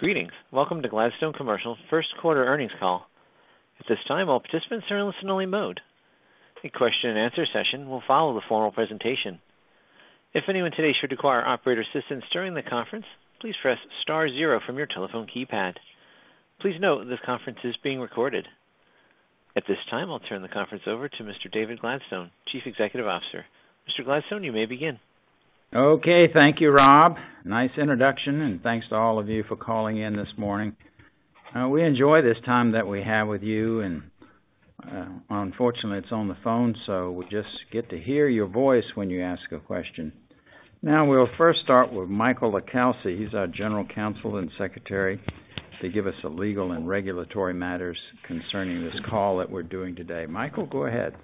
Greetings. Welcome to Gladstone Commercial's first quarter earnings call. At this time, all participants are in listen-only mode. A question-and-answer session will follow the formal presentation. If anyone today should require operator assistance during the conference, please press star zero from your telephone keypad. Please note this conference is being recorded. At this time, I'll turn the conference over to Mr. David Gladstone, Chief Executive Officer. Mr. Gladstone, you may begin. Okay. Thank you, Rob. Nice introduction, and thanks to all of you for calling in this morning. We enjoy this time that we have with you, and, unfortunately, it's on the phone, so we just get to hear your voice when you ask a question. Now, we'll first start with Michael LiCalsi. He's our General Counsel and Secretary to give us the legal and regulatory matters concerning this call that we're doing today. Michael, go ahead.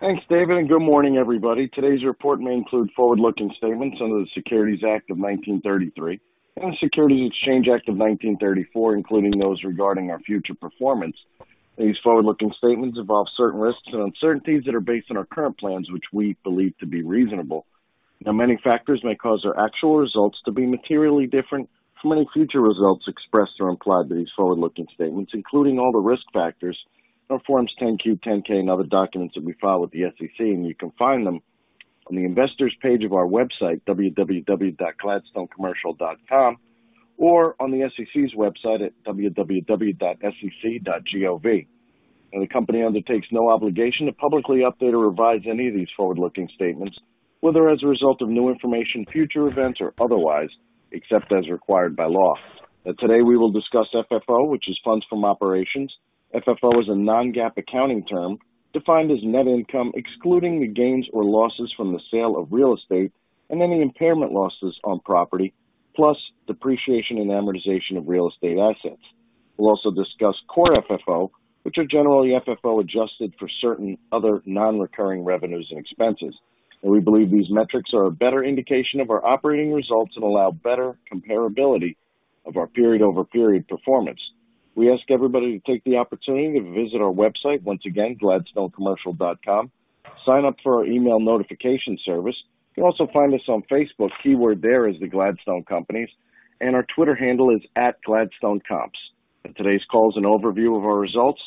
Thanks, David, and good morning, everybody. Today's report may include forward-looking statements under the Securities Act of 1933 and the Securities Exchange Act of 1934, including those regarding our future performance. These forward-looking statements involve certain risks and uncertainties that are based on our current plans, which we believe to be reasonable. Now, many factors may cause our actual results to be materially different from any future results expressed or implied to these forward-looking statements, including all the risk factors on Forms 10-Q, 10-K, and other documents that we file with the SEC. You can find them on the investors page of our website, www.gladstonecommercial.com, or on the SEC's website at www.sec.gov. The company undertakes no obligation to publicly update or revise any of these forward-looking statements, whether as a result of new information, future events, or otherwise, except as required by law. Today, we will discuss FFO, which is funds from operations. FFO is a non-GAAP accounting term defined as net income, excluding the gains or losses from the sale of real estate and any impairment losses on property, plus depreciation and amortization of real estate assets. We'll also discuss core FFO, which are generally FFO adjusted for certain other non-recurring revenues and expenses. We believe these metrics are a better indication of our operating results and allow better comparability of our period-over-period performance. We ask everybody to take the opportunity to visit our website, once again, gladstonecommercial.com. Sign up for our email notification service. You can also find us on Facebook. Keyword there is The Gladstone Companies, and our Twitter handle is @GladstoneComps. Today's call is an overview of our results.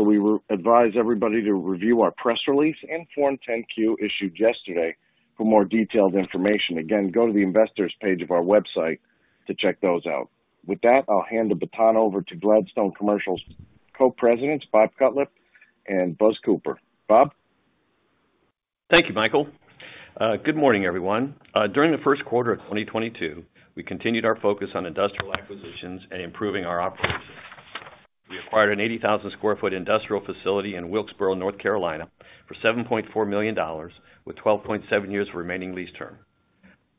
We will advise everybody to review our press release and Form 10-Q issued yesterday for more detailed information. Again, go to the investors page of our website to check those out. With that, I'll hand the baton over to Gladstone Commercial's Co-Presidents, Bob Cutlip and Buzz Cooper. Bob? Thank you, Michael. Good morning, everyone. During the first quarter of 2022, we continued our focus on industrial acquisitions and improving our operations. We acquired an 80,000 sq ft industrial facility in Wilkesboro, North Carolina for $7.4 million with 12.7 years remaining lease term.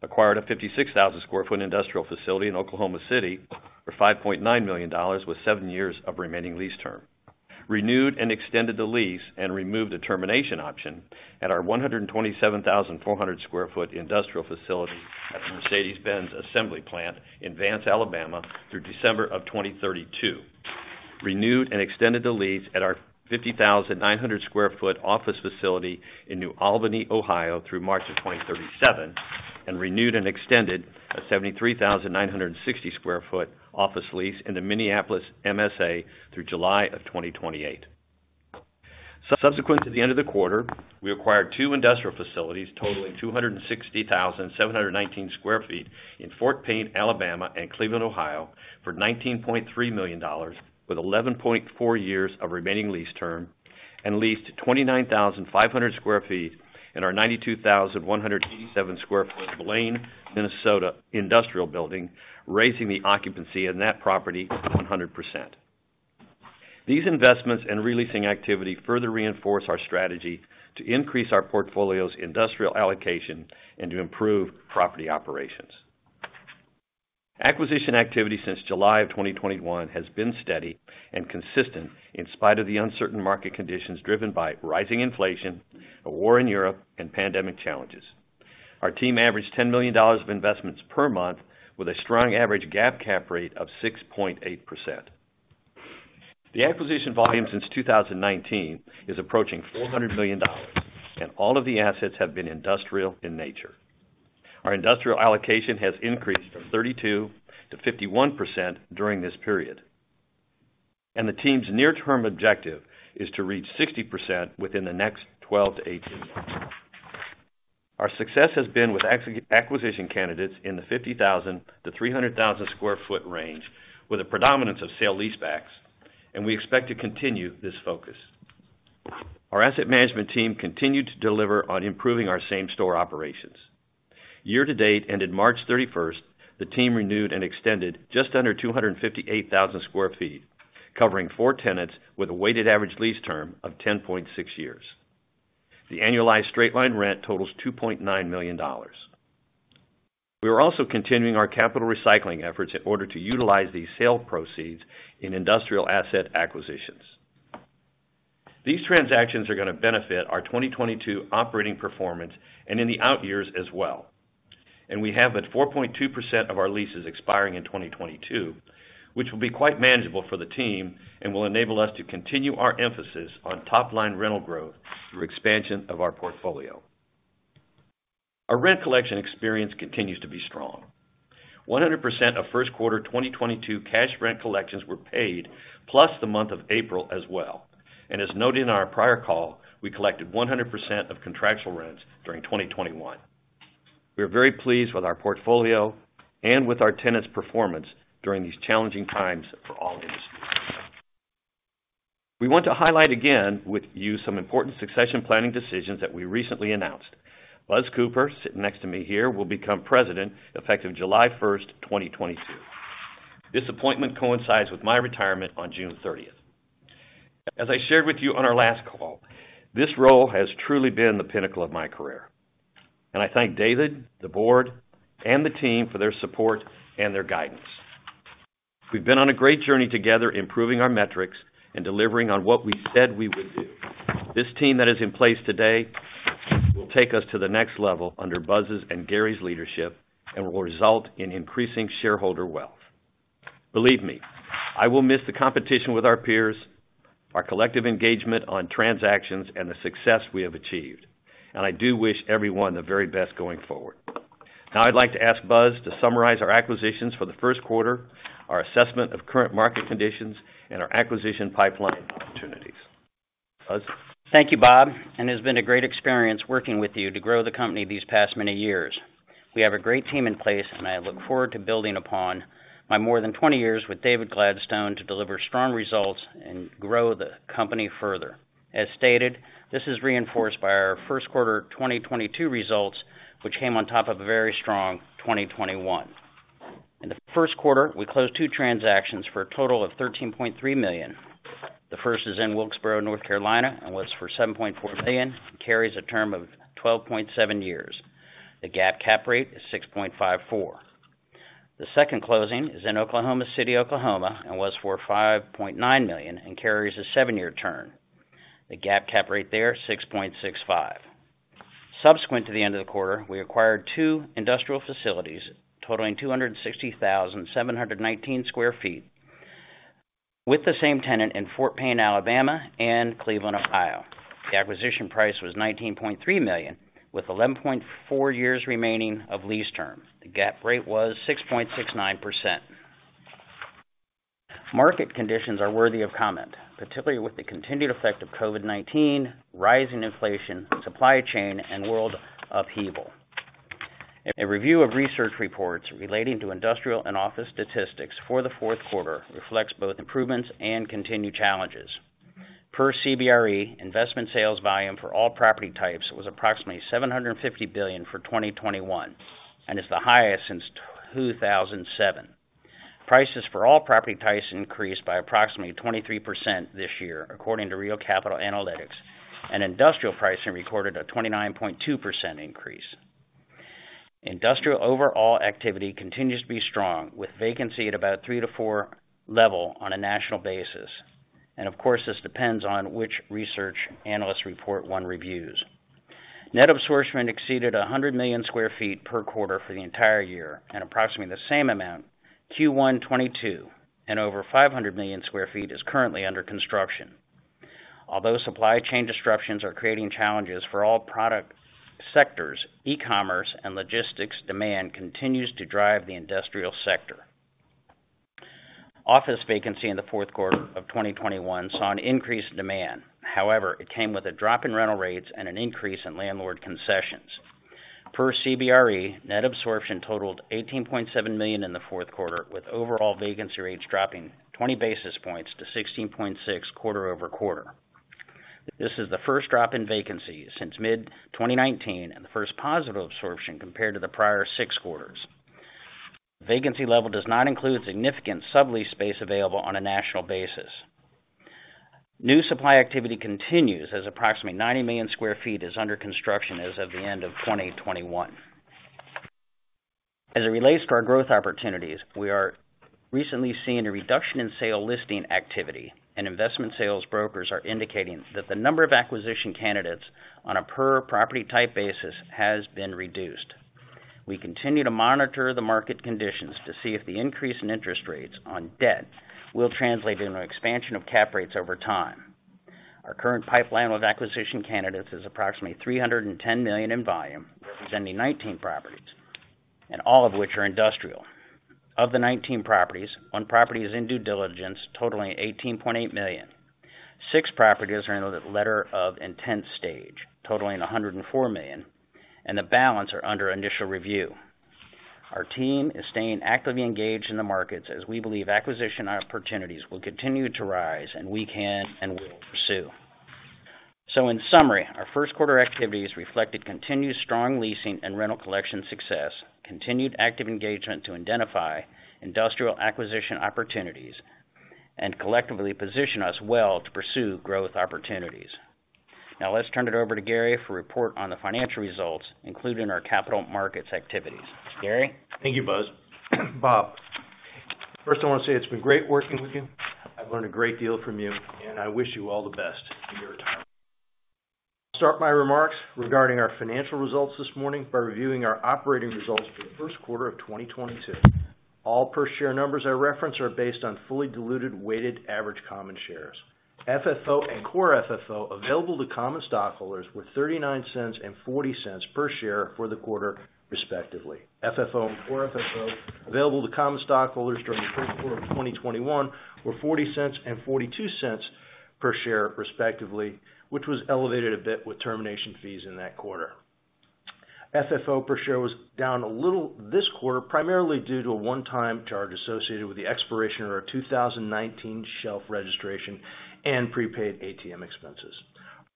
Acquired a 56,000 sq ft industrial facility in Oklahoma City for $5.9 million with seven years of remaining lease term. Renewed and extended the lease and removed the termination option at our 127,400 sq ft industrial facility at the Mercedes-Benz assembly plant in Vance, Alabama, through December of 2032. Renewed and extended the lease at our 50,900 sq ft office facility in New Albany, Ohio, through March of 2037. Renewed and extended a 73,960 sq ft office lease in the Minneapolis MSA through July 2028. Subsequent to the end of the quarter, we acquired two industrial facilities totaling 260,719 sq ft in Fort Payne, Alabama and Cleveland, Ohio, for $19.3 million with 11.4 years of remaining lease term, and leased 29,500 sq ft in our 92,187 sq ft Blaine, Minnesota industrial building, raising the occupancy in that property to 100%. These investments and re-leasing activity further reinforce our strategy to increase our portfolio's industrial allocation and to improve property operations. Acquisition activity since July of 2021 has been steady and consistent in spite of the uncertain market conditions driven by rising inflation, a war in Europe, and pandemic challenges. Our team averaged $10 million of investments per month with a strong average GAAP cap rate of 6.8%. The acquisition volume since 2019 is approaching $400 million, and all of the assets have been industrial in nature. Our industrial allocation has increased from 32% to 51% during this period. The team's near-term objective is to reach 60% within the next 12 months-18 months. Our success has been with acquisition candidates in the 50,000 sq ft-300,000 sq ft range with a predominance of sale leasebacks, and we expect to continue this focus. Our asset management team continued to deliver on improving our same store operations. Year to date, in March 31st, the team renewed and extended just under 258,000 sq ft, covering four tenants with a weighted average lease term of 10.6 years. The annualized straight line rent totals $2.9 million. We are also continuing our capital recycling efforts in order to utilize these sale proceeds in industrial asset acquisitions. These transactions are gonna benefit our 2022 operating performance and in the outyears as well. We have 4.2% of our leases expiring in 2022, which will be quite manageable for the team and will enable us to continue our emphasis on top-line rental growth through expansion of our portfolio. Our rent collection experience continues to be strong. 100% of first quarter 2022 cash rent collections were paid plus the month of April as well. As noted in our prior call, we collected 100% of contractual rents during 2021. We are very pleased with our portfolio and with our tenants' performance during these challenging times for all industries. We want to highlight again with you some important succession planning decisions that we recently announced. Buzz Cooper, sitting next to me here, will become president effective July 1st, 2022. This appointment coincides with my retirement on June 30. As I shared with you on our last call, this role has truly been the pinnacle of my career. I thank David, the board, and the team for their support and their guidance. We've been on a great journey together, improving our metrics and delivering on what we said we would do. This team that is in place today will take us to the next level under Buzz's and Gary's leadership and will result in increasing shareholder wealth. Believe me, I will miss the competition with our peers, our collective engagement on transactions, and the success we have achieved. I do wish everyone the very best going forward. Now I'd like to ask Buzz to summarize our acquisitions for the first quarter, our assessment of current market conditions, and our acquisition pipeline opportunities. Buzz? Thank you, Bob. It has been a great experience working with you to grow the company these past many years. We have a great team in place, and I look forward to building upon my more than 20 years with David Gladstone to deliver strong results and grow the company further. As stated, this is reinforced by our first quarter 2022 results, which came on top of a very strong 2021. In the first quarter, we closed two transactions for a total of $13.3 million. The first is in Wilkesboro, North Carolina, and was for $7.4 million. It carries a term of 12.7 years. The GAAP cap rate is 6.54%. The second closing is in Oklahoma City, Oklahoma, and was for $5.9 million and carries a seven-year term. The GAAP cap rate there, 6.65%. Subsequent to the end of the quarter, we acquired two industrial facilities totaling 260,719 sq ft with the same tenant in Fort Payne, Alabama, and Cleveland, Ohio. The acquisition price was $19.3 million, with 11.4 years remaining of lease term. The GAAP rate was 6.69%. Market conditions are worthy of comment, particularly with the continued effect of COVID-19, rising inflation, supply chain, and world upheaval. A review of research reports relating to industrial and office statistics for the fourth quarter reflects both improvements and continued challenges. Per CBRE, investment sales volume for all property types was approximately $750 billion for 2021 and is the highest since 2007. Prices for all property types increased by approximately 23% this year, according to Real Capital Analytics, and industrial pricing recorded a 29.2% increase. Industrial overall activity continues to be strong, with vacancy at about 3%-4% level on a national basis. Of course, this depends on which research analyst report one reviews. Net absorption exceeded 100 million sq ft per quarter for the entire year at approximately the same amount Q1 2022, and over 500 million sq ft is currently under construction. Although supply chain disruptions are creating challenges for all product sectors, e-commerce and logistics demand continues to drive the industrial sector. Office vacancy in the fourth quarter of 2021 saw an increased demand. However, it came with a drop in rental rates and an increase in landlord concessions. Per CBRE, net absorption totaled 18.7 million sq ft in the fourth quarter, with overall vacancy rates dropping 20 basis points to 16.6% quarter-over-quarter. This is the first drop in vacancy since mid-2019 and the first positive absorption compared to the prior six quarters. Vacancy level does not include significant sublease space available on a national basis. New supply activity continues as approximately 90 million sq ft is under construction as of the end of 2021. As it relates to our growth opportunities, we are recently seeing a reduction in sale listing activity, and investment sales brokers are indicating that the number of acquisition candidates on a per property type basis has been reduced. We continue to monitor the market conditions to see if the increase in interest rates on debt will translate into an expansion of cap rates over time. Our current pipeline of acquisition candidates is approximately $310 million in volume, representing 19 properties, and all of which are industrial. Of the 19 properties, one property is in due diligence, totaling $18.8 million. Six properties are in the letter of intent stage, totaling $104 million, and the balance are under initial review. Our team is staying actively engaged in the markets as we believe acquisition opportunities will continue to rise, and we can and will pursue. In summary, our first quarter activities reflected continued strong leasing and rental collection success, continued active engagement to identify industrial acquisition opportunities, and collectively position us well to pursue growth opportunities. Now let's turn it over to Gary for a report on the financial results, including our capital markets activities. Gary? Thank you, Buzz. Bob, first I want to say it's been great working with you. I've learned a great deal from you, and I wish you all the best in your retirement. Start my remarks regarding our financial results this morning by reviewing our operating results for the first quarter of 2022. All per share numbers I reference are based on fully diluted weighted average common shares. FFO and Core FFO available to common stockholders were $0.39 and $0.40 per share for the quarter, respectively. FFO and Core FFO available to common stockholders during the first quarter of 2021 were $0.40 and $0.42 per share, respectively, which was elevated a bit with termination fees in that quarter. FFO per share was down a little this quarter, primarily due to a one-time charge associated with the expiration of our 2019 shelf registration and prepaid ATM expenses.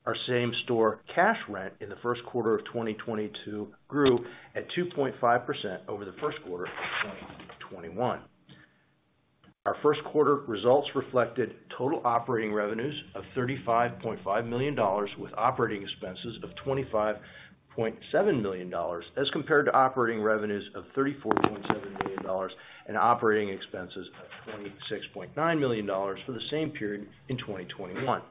Our same-store cash rent in the first quarter of 2022 grew at 2.5% over the first quarter of 2021. Our first quarter results reflected total operating revenues of $35.5 million with operating expenses of $25.7 million, as compared to operating revenues of $34.7 million and operating expenses of $26.9 million for the same period in 2021.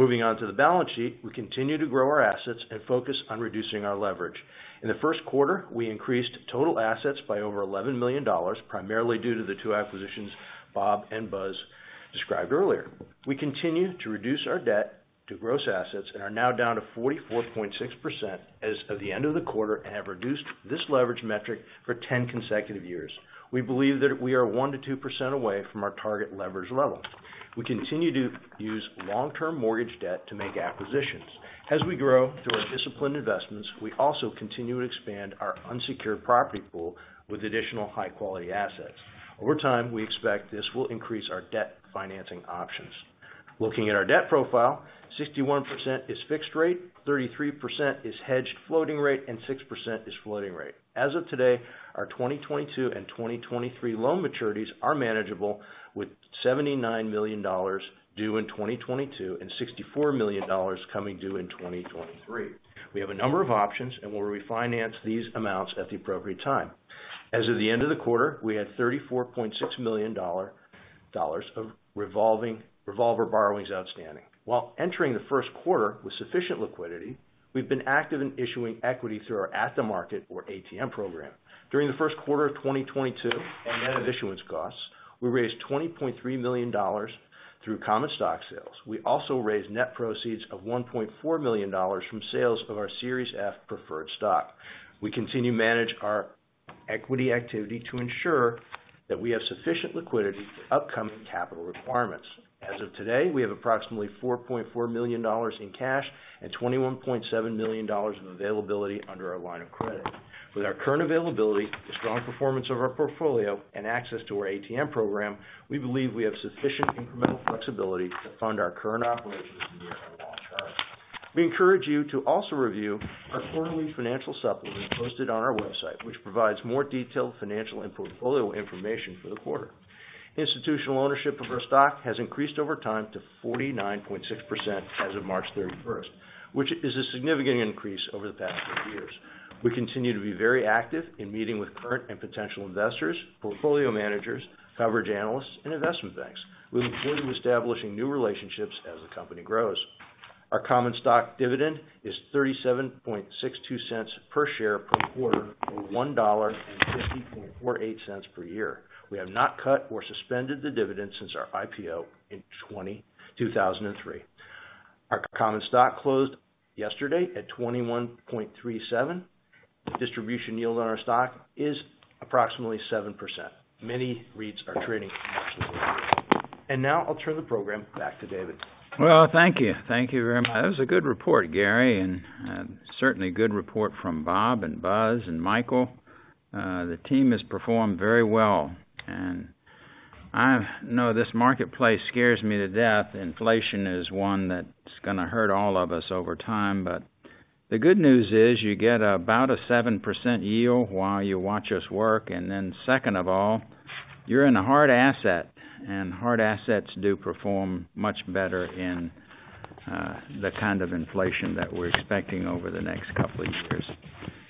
Moving on to the balance sheet. We continue to grow our assets and focus on reducing our leverage. In the first quarter, we increased total assets by over $11 million, primarily due to the two acquisitions Bob and Buzz described earlier. We continue to reduce our debt to gross assets and are now down to 44.6% as of the end of the quarter, and have reduced this leverage metric for 10 consecutive years. We believe that we are 1%-2% away from our target leverage level. We continue to use long-term mortgage debt to make acquisitions. As we grow through our disciplined investments, we also continue to expand our unsecured property pool with additional high-quality assets. Over time, we expect this will increase our debt financing options. Looking at our debt profile, 61% is fixed rate, 33% is hedged floating rate, and 6% is floating rate. As of today, our 2022 and 2023 loan maturities are manageable, with $79 million due in 2022 and $64 million coming due in 2023. We have a number of options and will refinance these amounts at the appropriate time. As of the end of the quarter, we had $34.6 million of revolver borrowings outstanding. While entering the first quarter with sufficient liquidity, we've been active in issuing equity through our at-the-market, or ATM program. During the first quarter of 2022, and net of issuance costs, we raised $20.3 million through common stock sales. We also raised net proceeds of $1.4 million from sales of our Series F preferred stock. We continue to manage our equity activity to ensure that we have sufficient liquidity for upcoming capital requirements. As of today, we have approximately $4.4 million in cash and $21.7 million in availability under our line of credit. With our current availability, the strong performance of our portfolio, and access to our ATM program, we believe we have sufficient incremental flexibility to fund our current operations and meet our loan maturities. We encourage you to also review our quarterly financial supplement posted on our website, which provides more detailed financial and portfolio information for the quarter. Institutional ownership of our stock has increased over time to 49.6% as of March 31st, which is a significant increase over the past 10 years. We continue to be very active in meeting with current and potential investors, portfolio managers, coverage analysts, and investment banks. We look forward to establishing new relationships as the company grows. Our common stock dividend is $0.3762 per share per quarter, or $1.5048 per year. We have not cut or suspended the dividend since our IPO in 2003. Our common stock closed yesterday at $21.37. The distribution yield on our stock is approximately 7%. Many REITs are trading. Now I'll turn the program back to David. Well, thank you. Thank you very much. That was a good report, Gary, and certainly a good report from Bob and Buzz and Michael. The team has performed very well. I know this marketplace scares me to death. Inflation is one that's gonna hurt all of us over time. The good news is you get about a 7% yield while you watch us work. Then second of all, you're in a hard asset, and hard assets do perform much better in the kind of inflation that we're expecting over the next couple of years.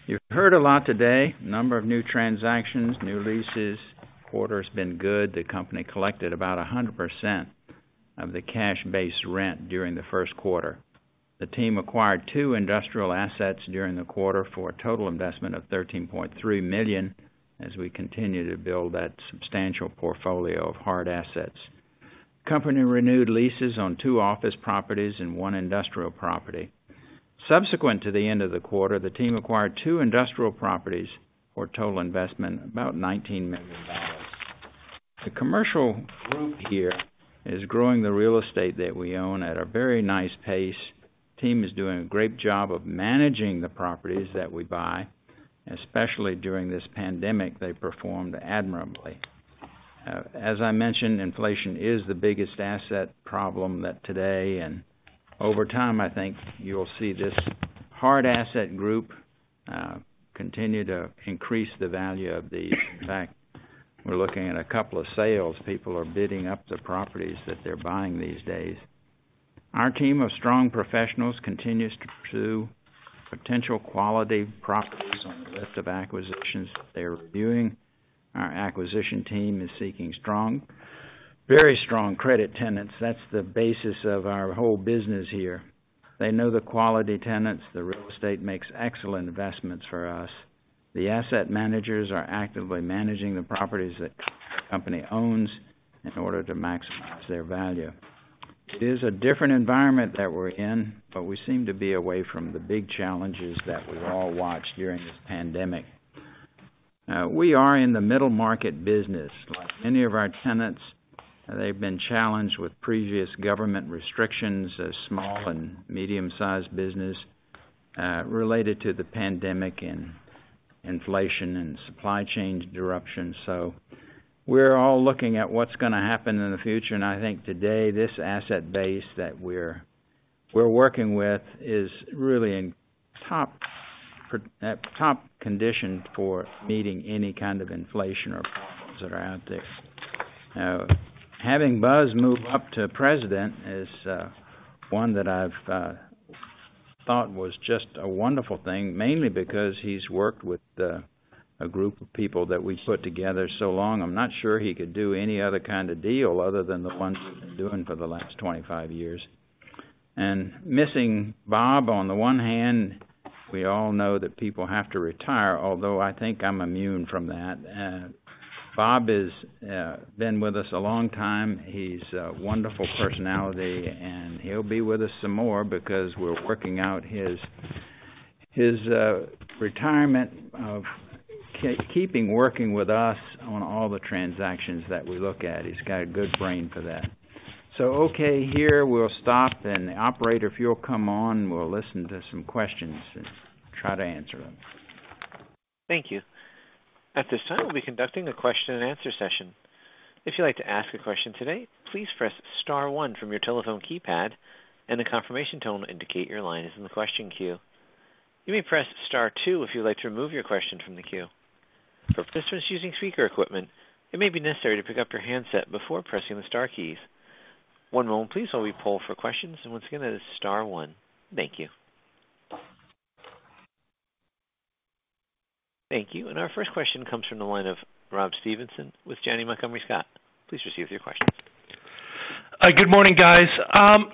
You've heard a lot today. A number of new transactions, new leases. Quarter's been good. The company collected about 100% of the cash-based rent during the first quarter. The team acquired two industrial assets during the quarter for a total investment of $13.3 million, as we continue to build that substantial portfolio of hard assets. Company renewed leases on two office properties and one industrial property. Subsequent to the end of the quarter, the team acquired two industrial properties for a total investment of about $19 million. The commercial group here is growing the real estate that we own at a very nice pace. Team is doing a great job of managing the properties that we buy, especially during this pandemic, they performed admirably. As I mentioned, inflation is the biggest asset problem that today, and over time, I think you'll see this hard asset group continue to increase the value of these. In fact, we're looking at a couple of sales. People are bidding up the properties that they're buying these days. Our team of strong professionals continues to pursue potential quality properties on the list of acquisitions that they're reviewing. Our acquisition team is seeking strong, very strong credit tenants. That's the basis of our whole business here. They know the quality tenants. The real estate makes excellent investments for us. The asset managers are actively managing the properties that the company owns in order to maximize their value. It is a different environment that we're in, but we seem to be away from the big challenges that we've all watched during this pandemic. We are in the middle market business. Like many of our tenants, they've been challenged with previous government restrictions as small and medium-sized business, related to the pandemic and inflation and supply chain disruptions. We're all looking at what's gonna happen in the future, and I think today, this asset base that we're working with is really in top condition for meeting any kind of inflation or problems that are out there. Now, having Buzz move up to President is one that I've thought was just a wonderful thing, mainly because he's worked with a group of people that we've put together so long. I'm not sure he could do any other kind of deal other than the ones he's been doing for the last 25 years. Missing Bob on the one hand, we all know that people have to retire, although I think I'm immune from that. Bob has been with us a long time. He's a wonderful personality, and he'll be with us some more because we're working out his retirement, keeping working with us on all the transactions that we look at. He's got a good brain for that. Okay, here, we'll stop. The operator, if you'll come on, we'll listen to some questions and try to answer them. Thank you. At this time, we'll be conducting a question-and-answer session. If you'd like to ask a question today, please press star one from your telephone keypad, and a confirmation tone will indicate your line is in the question queue. You may press star two if you'd like to remove your question from the queue. For participants using speaker equipment, it may be necessary to pick up your handset before pressing the star keys. One moment, please, while we poll for questions, and once again, that is star one. Thank you. Thank you. Our first question comes from the line of Rob Stevenson with Janney Montgomery Scott. Please proceed with your question. Good morning, guys.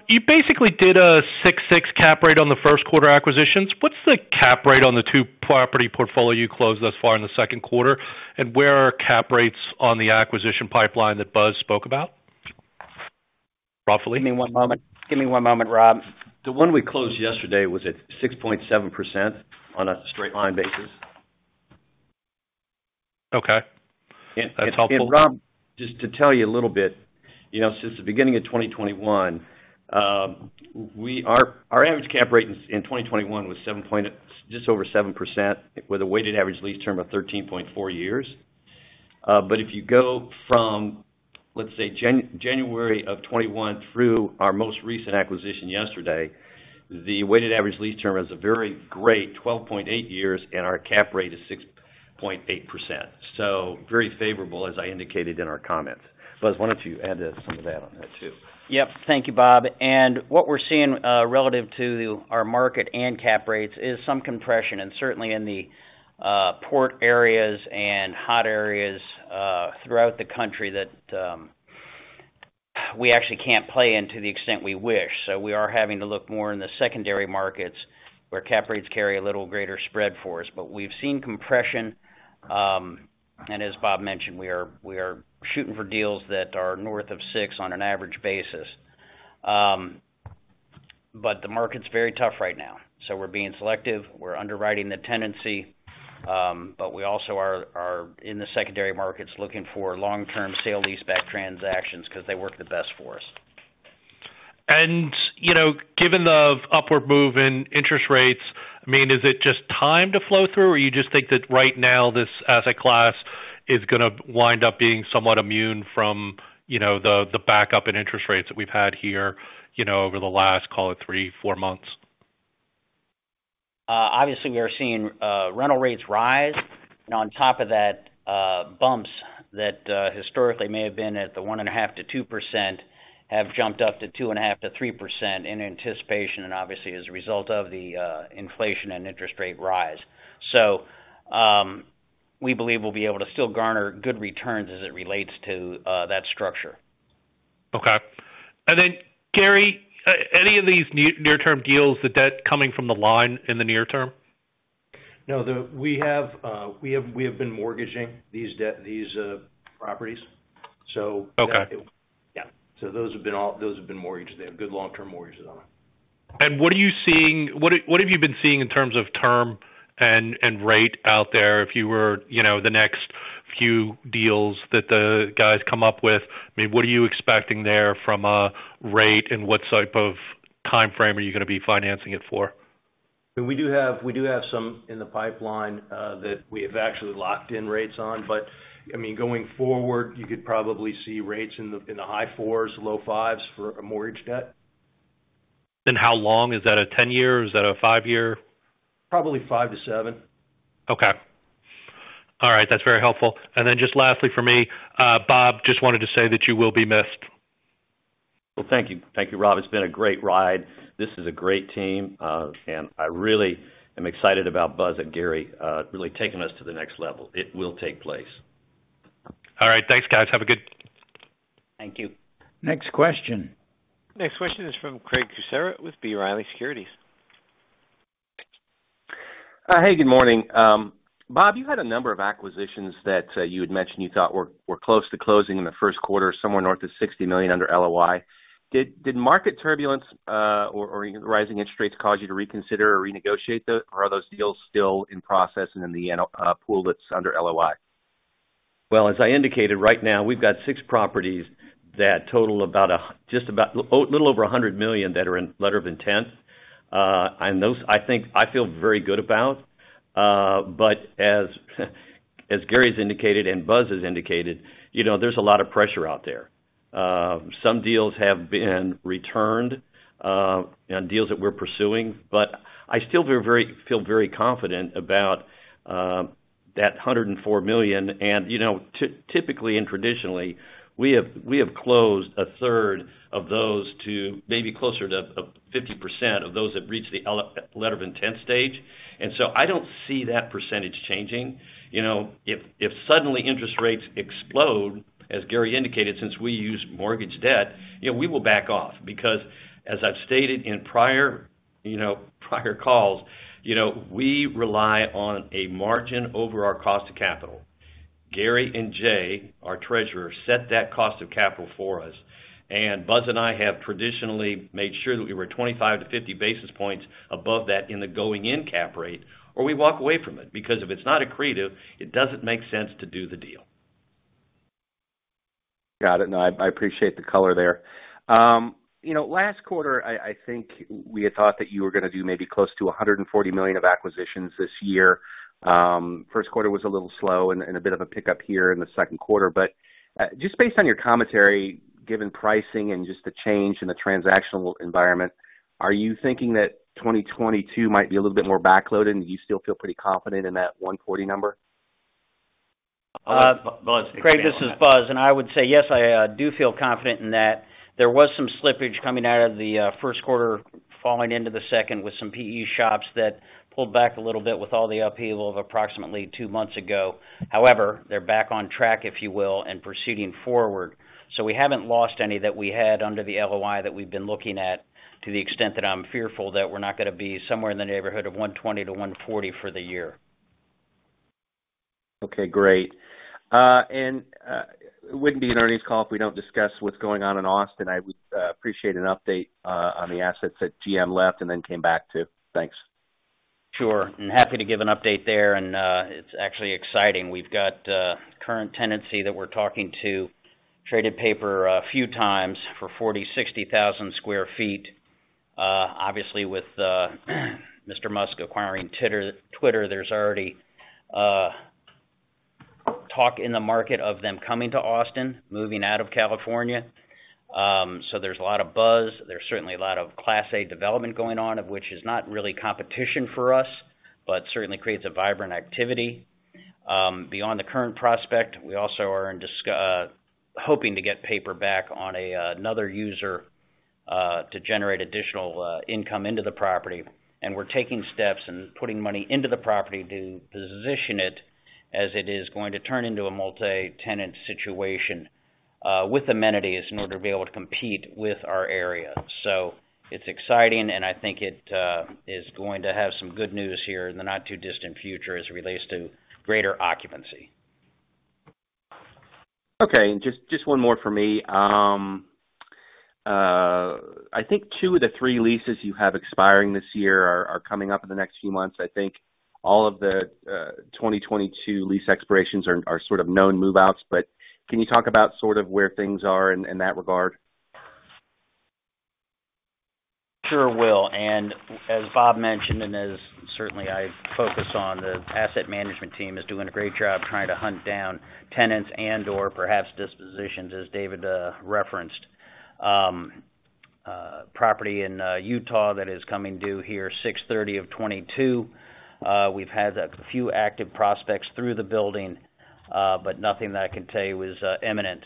You basically did a 6.6% cap rate on the first quarter acquisitions. What's the cap rate on the two-property portfolio you closed thus far in the second quarter, and where are cap rates on the acquisition pipeline that Buzz spoke about, roughly? Give me one moment, Rob. The one we closed yesterday was at 6.7% on a straight line basis. Okay. That's helpful. Rob, just to tell you a little bit, you know, since the beginning of 2021, our average cap rate in 2021 was just over 7% with a weighted average lease term of 13.4 years. But if you go from, let's say, January of 2021 through our most recent acquisition yesterday, the weighted average lease term is a very great 12.8 years, and our cap rate is 6.8%. Very favorable, as I indicated in our comments. Buzz, why don't you add some of that on there too? Yep. Thank you, Bob. What we're seeing, relative to our market and cap rates, is some compression, and certainly in the port areas and hot areas throughout the country that we actually can't play into the extent we wish. We are having to look more in the secondary markets where cap rates carry a little greater spread for us. We've seen compression, and as Bob mentioned, we are shooting for deals that are north of six on an average basis. The market's very tough right now, so we're being selective. We're underwriting the tenancy, but we also are in the secondary markets looking for long-term sale leaseback transactions because they work the best for us. You know, given the upward move in interest rates, I mean, is it just time to flow through, or you just think that right now this asset class is gonna wind up being somewhat immune from, you know, the backup in interest rates that we've had here, you know, over the last, call it three months, four months? Obviously we are seeing rental rates rise. On top of that, bumps that historically may have been at the 1.5%-2%, have jumped up to 2.5%-3% in anticipation, and obviously, as a result of the inflation and interest rate rise. We believe we'll be able to still garner good returns as it relates to that structure. Okay. Gary, any of these near-term deals, the debt coming from the line in the near term? No. We have been mortgaging these properties. So- Okay. Those have been mortgaged. They have good long-term mortgages on them. What have you been seeing in terms of term and rate out there if you were, you know, the next few deals that the guys come up with? I mean, what are you expecting there from a rate, and what type of timeframe are you gonna be financing it for? We do have some in the pipeline that we have actually locked in rates on. I mean, going forward, you could probably see rates in the high fours, low fives for a mortgage debt. How long? Is that a 10-year? Is that a five-year? Probably five years-seven years. Okay. All right. That's very helpful. Just lastly for me, Bob, just wanted to say that you will be missed. Well, thank you. Thank you, Rob. It's been a great ride. This is a great team, and I really am excited about Buzz and Gary, really taking us to the next level. It will take place. All right. Thanks guys. Thank you. Next question. Next question is from Craig Kucera with B. Riley Securities. Hey, good morning. Bob, you had a number of acquisitions that you had mentioned you thought were close to closing in the first quarter, somewhere north of $60 million under LOI. Did market turbulence or rising interest rates cause you to reconsider or renegotiate those, or are those deals still in process and in the pool that's under LOI? Well, as I indicated right now, we've got six properties that total about just about a little over $100 million that are in letter of intent. Those, I think I feel very good about. As Gary's indicated and Buzz has indicated, you know, there's a lot of pressure out there. Some deals have been returned on deals that we're pursuing, but I still feel very confident about that $104 million. You know, typically and traditionally, we have closed a third of those to maybe closer to 50% of those that reach the letter of intent stage. I don't see that percentage changing. You know, if suddenly interest rates explode, as Gary indicated, since we use mortgage debt, you know, we will back off because as I've stated in prior, you know, prior calls, you know, we rely on a margin over our cost of capital. Gary and Jay, our treasurer, set that cost of capital for us. Buzz and I have traditionally made sure that we were 25 basis points-50 basis points above that in the going in cap rate, or we walk away from it, because if it's not accretive, it doesn't make sense to do the deal. Got it. No, I appreciate the color there. You know, last quarter, I think we had thought that you were gonna do maybe close to $140 million of acquisitions this year. First quarter was a little slow and a bit of a pickup here in the second quarter. Just based on your commentary, given pricing and just the change in the transactional environment, are you thinking that 2022 might be a little bit more backloaded and you still feel pretty confident in that $140 number? Uh- Buzz- Craig, this is Buzz. I would say, yes, I do feel confident in that. There was some slippage coming out of the first quarter falling into the second with some PE shops that pulled back a little bit with all the upheaval of approximately two months ago. However, they're back on track, if you will, and proceeding forward. We haven't lost any that we had under the LOI that we've been looking at, to the extent that I'm fearful that we're not gonna be somewhere in the neighborhood of $120-$140 for the year. Okay, great. It wouldn't be an earnings call if we don't discuss what's going on in Austin. I would appreciate an update on the assets that GM left and then came back to. Thanks. Sure. I'm happy to give an update there, and it's actually exciting. We've got current tenancy that we're talking to, traded paper a few times for 40,000 sq ft-60,000 sq ft. Obviously with Mr. Musk acquiring Twitter, there's already talk in the market of them coming to Austin, moving out of California. There's a lot of buzz. There's certainly a lot of class A development going on, of which is not really competition for us, but certainly creates a vibrant activity. Beyond the current prospect, we also are hoping to get paper back on another user to generate additional income into the property. We're taking steps and putting money into the property to position it as it is going to turn into a multi-tenant situation, with amenities in order to be able to compete with our area. It's exciting, and I think it is going to have some good news here in the not too distant future as it relates to greater occupancy. Okay. Just one more for me. I think two of the three leases you have expiring this year are coming up in the next few months. I think all of the 2022 lease expirations are sort of known move-outs, but can you talk about sort of where things are in that regard? Sure will. As Bob mentioned, and as certainly I focus on, the asset management team is doing a great job trying to hunt down tenants and/or perhaps dispositions as David referenced. Property in Utah that is coming due here, July 30th 2022. We've had a few active prospects through the building, but nothing that I can tell you is imminent.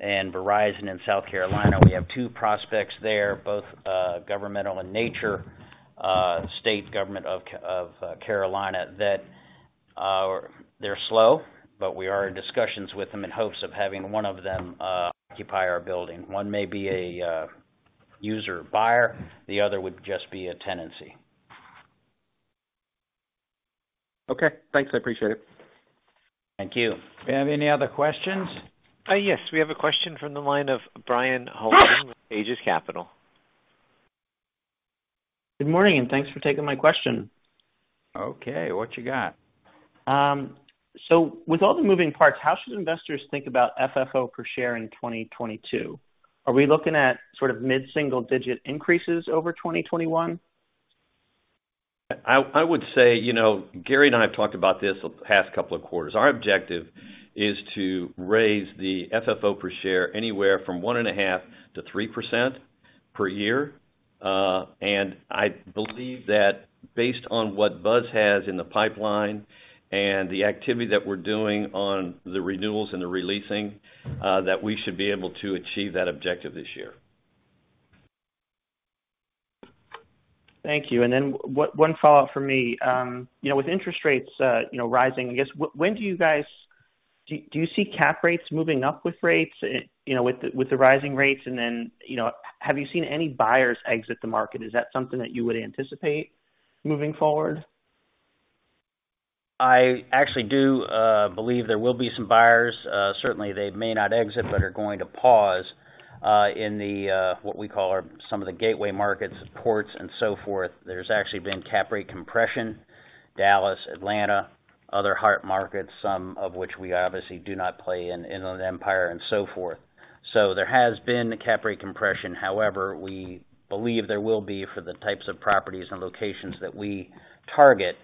Verizon in South Carolina, we have two prospects there, both governmental in nature, state government of South Carolina that are. They're slow, but we are in discussions with them in hopes of having one of them occupy our building. One may be a user buyer, the other would just be a tenancy. Okay. Thanks, I appreciate it. Thank you. Do we have any other questions? Yes. We have a question from the line of Brian Hollenden with Aegis Capital. Good morning, and thanks for taking my question. Okay. What you got? with all the moving parts, how should investors think about FFO per share in 2022? Are we looking at sort of mid-single-digit increases over 2021? I would say, you know, Gary and I have talked about this the past couple of quarters. Our objective is to raise the FFO per share anywhere from 1.5% to 3% per year. I believe that based on what Buzz has in the pipeline and the activity that we're doing on the renewals and the re-leasing, that we should be able to achieve that objective this year. Thank you. One follow-up for me. You know, with interest rates, you know, rising, I guess, do you see cap rates moving up with rates, you know, with the rising rates? You know, have you seen any buyers exit the market? Is that something that you would anticipate moving forward? I actually do believe there will be some buyers. Certainly they may not exit, but are going to pause in the what we call our, some of the gateway markets, the ports and so forth. There's actually been cap rate compression, Dallas, Atlanta, other hot markets, some of which we obviously do not play in an empire and so forth. There has been cap rate compression. However, we believe there will be for the types of properties and locations that we target,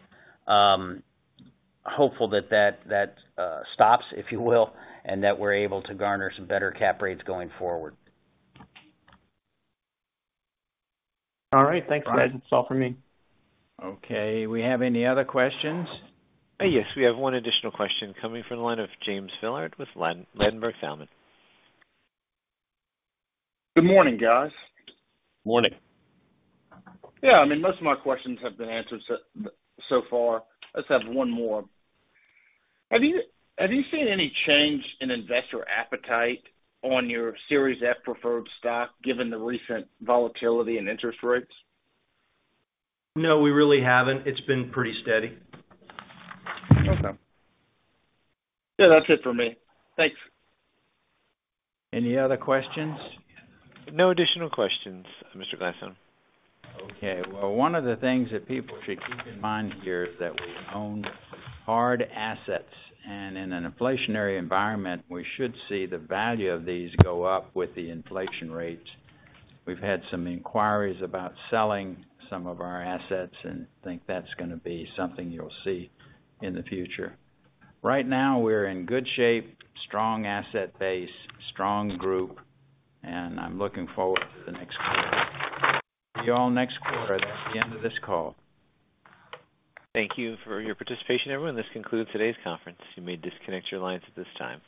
hopeful that stops, if you will, and that we're able to garner some better cap rates going forward. All right. Thanks, guys. That's all for me. Okay. We have any other questions? Yes, we have one additional question coming from the line of James Villard with Ladenburg Thalmann. Good morning, guys. Morning. Yeah. I mean, most of my questions have been answered so far. Let's have one more. Have you seen any change in investor appetite on your Series F preferred stock given the recent volatility and interest rates? No, we really haven't. It's been pretty steady. Okay. Yeah, that's it for me. Thanks. Any other questions? No additional questions, Mr. Gladstone. Okay. Well, one of the things that people should keep in mind here is that we own hard assets, and in an inflationary environment, we should see the value of these go up with the inflation rates. We've had some inquiries about selling some of our assets and think that's gonna be something you'll see in the future. Right now, we're in good shape, strong asset base, strong group, and I'm looking forward to the next quarter. See you all next quarter. That's the end of this call. Thank you for your participation, everyone. This concludes today's conference. You may disconnect your lines at this time.